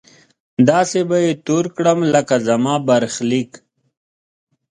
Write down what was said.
داسې به يې تور کړم لکه زما برخليک!